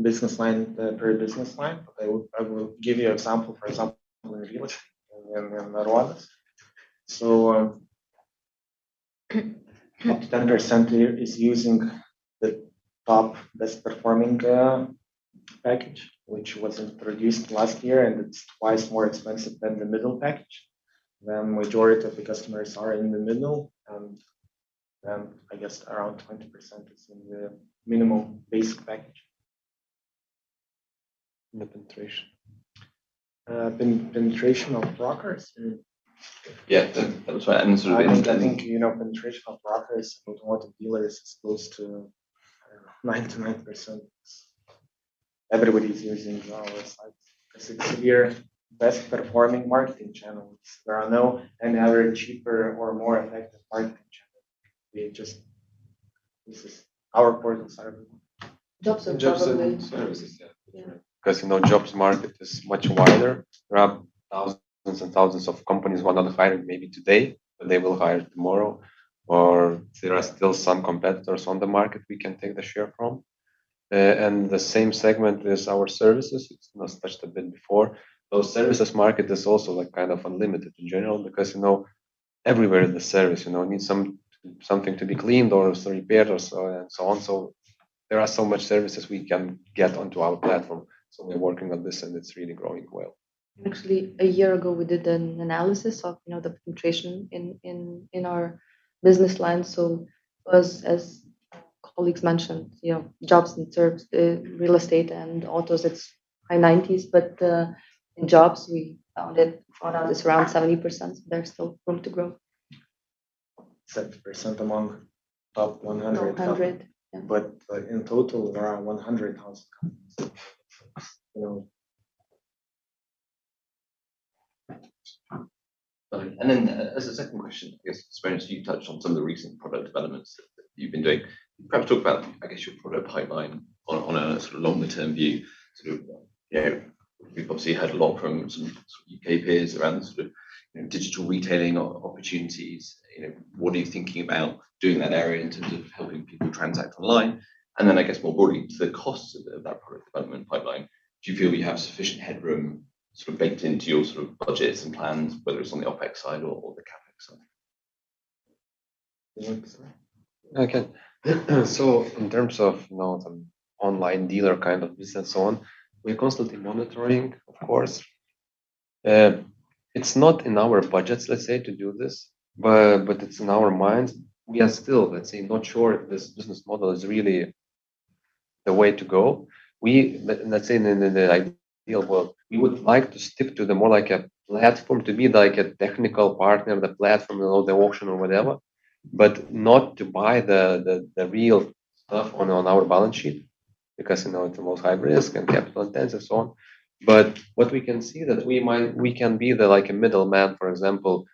business line per business line. I will give you example. For example, up to 10% is using the top best performing package, which was introduced last year, and it's twice more expensive than the middle package. The majority of the customers are in the middle, and then I guess around 20% is in the minimum basic package. The penetration. Penetration of brokers. Yeah. That was right. Sort of I think, you know, penetration of brokers with auto dealers is close to, I don't know, 99%. Everybody's using our sites 'cause it's your best performing marketing channels. There are no any other cheaper or more effective marketing channel. We just. This is our core inside everyone. Jobs & Services. Jobs and Services. Yeah. Yeah. 'Cause, you know, jobs market is much wider. There are thousands and thousands of companies who are not hiring maybe today, but they will hire tomorrow. There are still some competitors on the market we can take the share from. The same segment with our services. It's not touched a bit before. Those services market is also like kind of unlimited in general because, you know, everywhere the service, you know, needs something to be cleaned or sort of repaired or so and so on. There are so much services we can get onto our platform. We're working on this, and it's really growing well. Actually, a year ago, we did an analysis of, you know, the penetration in our business lines. As colleagues mentioned, you know, jobs and services, real estate and autos, it's high 90s. In jobs we found out it's around 70%. There's still room to grow. 7% among top 100. 100. Yeah. In total there are 100,000 companies. You know. Got it. As a second question, I guess, Simonas, you touched on some of the recent product developments that you've been doing. Perhaps talk about, I guess, your product pipeline on a sort of longer term view, sort of, you know. We've obviously heard a lot from some sort of UK peers around the sort of, you know, digital retailing opportunities. You know, what are you thinking about doing in that area in terms of helping people transact online? I guess more broadly to the costs of that product development pipeline, do you feel you have sufficient headroom sort of baked into your sort of budgets and plans, whether it's on the OpEx side or the CapEx side? You want this one? I can. In terms of, you know, the online dealer kind of business and so on, we're constantly monitoring, of course. It's not in our budgets, let's say, to do this, but it's in our minds. We are still, let's say, not sure if this business model is really the way to go. Let's say in the ideal world, we would like to stick to the more like a platform, to be like a technical partner of the platform or the auction or whatever, but not to buy the real stuff on our balance sheet because, you know, it's the most high risk and capital intensive and so on. What we can see we can be like a middleman, for example,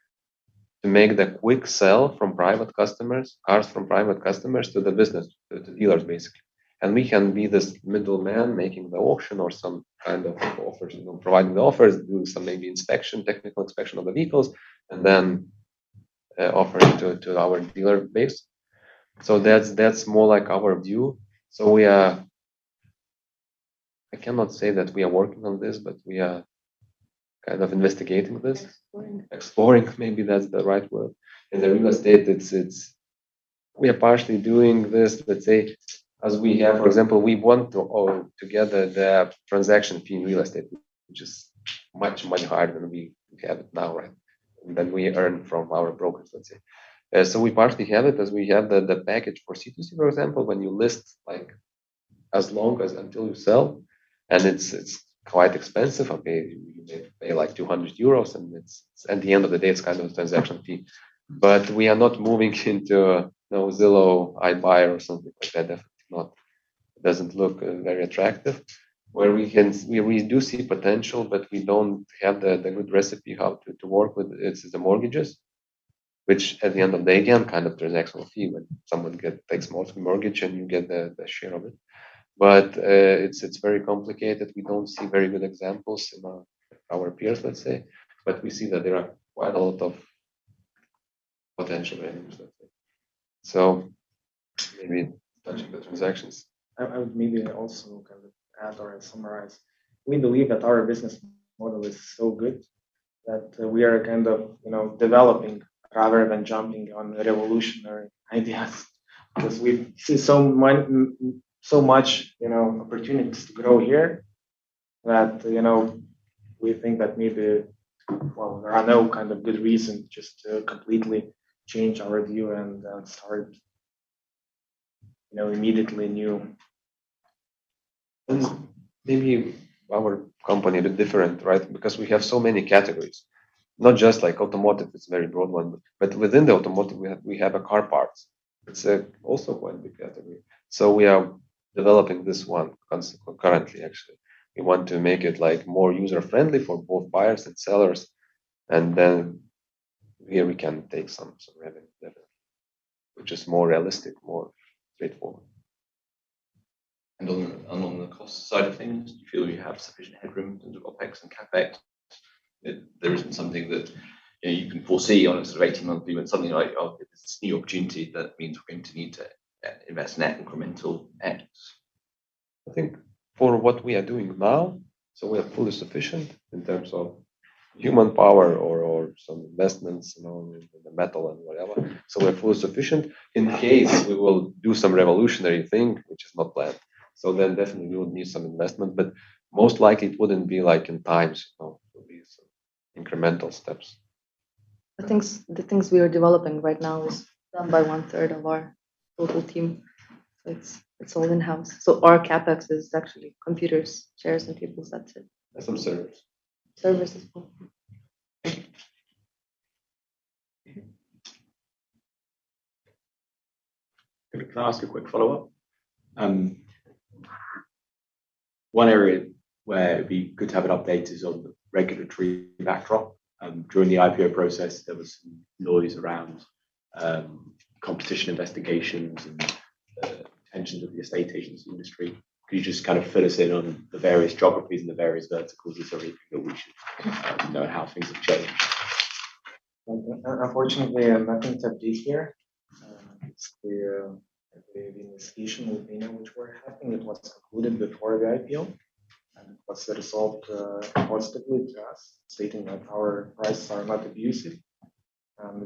to make the quick sale from private customers, cars from private customers to the business, to the dealers basically. We can be this middleman making the auction or some kind of offers, you know, providing the offers, do some, maybe, inspection, technical inspection of the vehicles and then offer it to our dealer base. That's more like our view. I cannot say that we are working on this, but we are kind of investigating this. Exploring. Exploring, maybe that's the right word. In the real estate, it's. We are partially doing this, let's say, as we have. For example, we want to own the whole transaction fee in real estate, which is much, much higher than we have it now, right? Than we earn from our brokers, let's say. So we partially have it as we have the package for C2C, for example, when you list like as long as until you sell and it's quite expensive. You may pay like 200 euros and it's. At the end of the day, it's kind of a transaction fee. But we are not moving into, you know, Zillow, iBuyer or something like that. Definitely not. It doesn't look very attractive. We do see potential, but we don't have the good recipe how to work with. It's the mortgages which at the end of the day, again, kind of transactional fee. When someone takes mortgage and you get the share of it. It's very complicated. We don't see very good examples among our peers, let's say. We see that there are quite a lot of potential avenues, let's say. Maybe touching the transactions. I would maybe also kind of add or summarize. We believe that our business model is so good. That we are kind of, you know, developing rather than jumping on revolutionary ideas. Because we see so much, you know, opportunities to grow here that, you know, we think that maybe, well, there are no kind of good reason just to completely change our view and then start, you know, immediately new. Maybe our company a bit different, right? Because we have so many categories. Not just like automotive, it's a very broad one. Within the automotive we have a car parts. It's also quite a big category. We are developing this one currently, actually. We want to make it, like, more user-friendly for both buyers and sellers. Here we can take some revenue that, which is more realistic, more straightforward. On the cost side of things, do you feel you have sufficient headroom in terms of OpEx and CapEx? There isn't something that, you know, you can foresee on a sort of 18-monthly, but something like, oh, this new opportunity that means we're going to need to invest net incremental ads. I think for what we are doing now, so we are fully sufficient in terms of human power or some investments, you know, in the meantime and whatever. We're fully sufficient. In case we will do some revolutionary thing, which is not planned. Then definitely we would need some investment, but most likely it wouldn't be like in times, you know. It'll be some incremental steps. The things we are developing right now is done by one third of our total team. It's all in-house. Our CapEx is actually computers, chairs, and tables. That's it. Some servers. Servers as well. Can I ask a quick follow-up? One area where it'd be good to have an update is on the regulatory backdrop. During the IPO process there was some noise around, competition investigations and the intentions of the estate agency industry. Could you just kind of fill us in on the various geographies and the various verticals and so that we should know how things have changed? Unfortunately, nothing to update here. It's the investigation with Lithuania which we're having. It was concluded before the IPO, and it was resolved positively to us, stating that our prices are not abusive.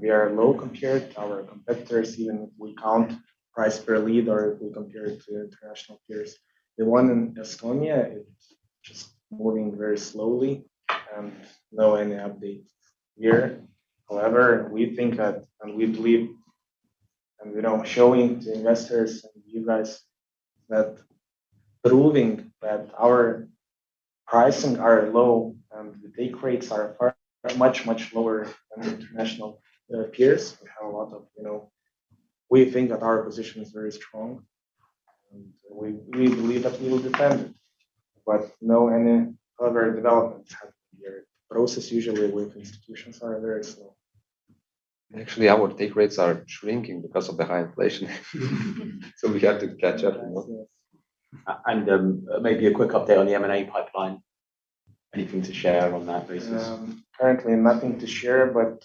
We are low compared to our competitors, even if we count price per lead or if we compare it to international peers. The one in Estonia is just moving very slowly, and no update here. However, we think that, and we believe, and we know showing to investors and you guys that proving that our pricing are low and the take rates are by far much, much lower than the international peers. We have a lot of, you know. We think that our position is very strong, and we believe that we will defend it. No further developments have been here. The process usually with institutions are very slow. Actually, our take rates are shrinking because of the high inflation. We have to catch up. Yes, yes. Maybe a quick update on the M&A pipeline. Anything to share on that basis? Currently nothing to share, but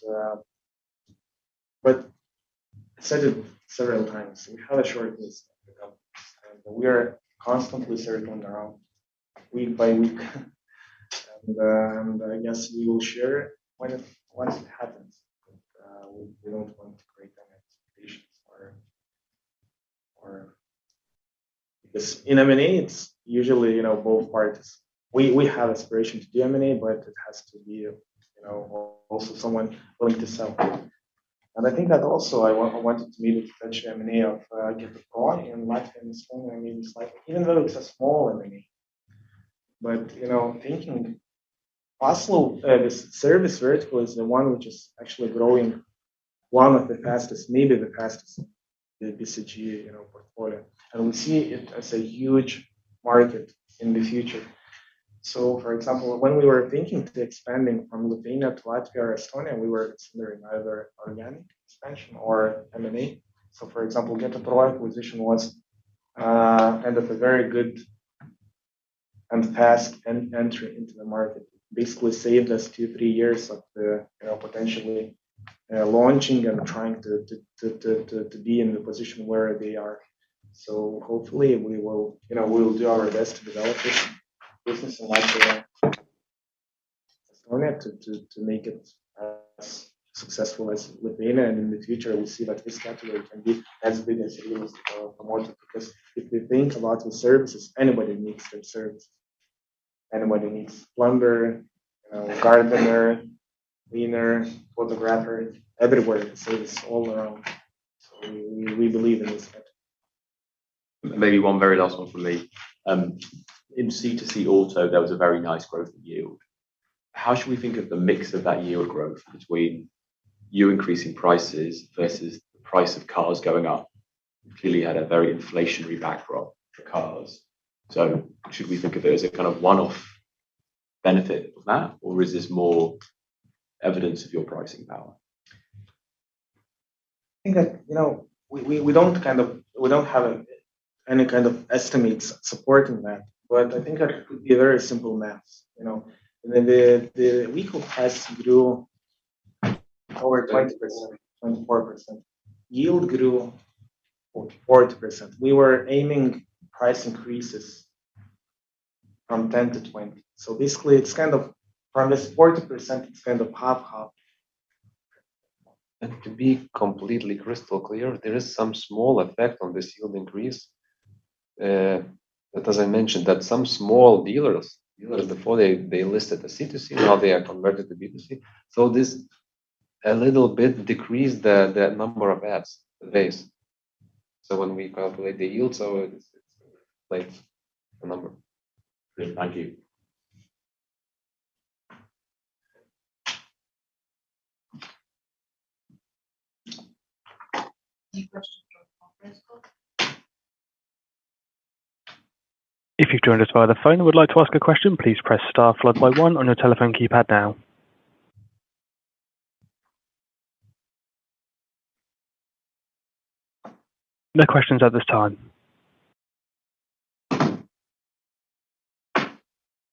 I said it several times. We have a short list of the companies, and we are constantly circling around week by week. I guess we will share it when it happens. We don't want to create any expectations or. Because in M&A, it's usually, you know, both parties. We have aspirations to do M&A, but it has to be, you know, also someone willing to sell. I think that also I wanted to maybe mention M&A of GetaPro and. [inaudible] I mean, it's like, even though it's a small M&A, but, you know, thinking also, this service vertical is the one which is actually growing one of the fastest, maybe the fastest in the BCG portfolio. We see it as a huge market in the future. For example, when we were thinking of expanding from Lithuania to Latvia or Estonia, we were considering either organic expansion or M&A. For example, GetaPro acquisition was kind of a very good and fast entry into the market. Basically saved us two, three years of the potentially launching and trying to be in the position where they are. Hopefully we will do our best to develop this business in Latvia, Estonia to make it as successful as Lithuania. In the future, we see that this category can be as big as used or automotive. Because if we think about the services, anybody needs their services. Anybody needs plumber, gardener, cleaner, photographer, everybody uses all around. We believe in this category. Maybe one very last one from me. In C2C Auto, there was a very nice growth in yield. How should we think of the mix of that yield growth between you increasing prices versus the price of cars going up? Clearly you had a very inflationary backdrop for cars. Should we think of it as a kind of one-off benefit of that, or is this more evidence of your pricing power? I think that, you know, we don't have any kind of estimates supporting that. I think that could be a very simple math, you know. I mean, the listing prices grew over 20%, 24%. Yield grew 40%. We were aiming price increases from 10%-20%. Basically, it's kind of from this 40%, it's kind of half. To be completely crystal clear, there is some small effect on this yield increase. As I mentioned that some small dealers before they listed the C2C, now they are converted to B2C. This a little bit decreased the number of ads, the base. When we calculate the yields, it's like the number. Great. Thank you. Any questions from the conference call? If you've joined us via the phone and would like to ask a question, please press star followed by one on your telephone keypad now. No questions at this time. A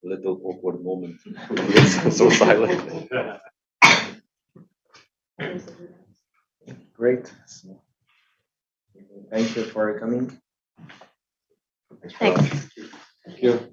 little awkward moment. It's so silent. Great. Thank you for coming. Thanks. Thank you.